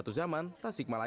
getaran kayak gempa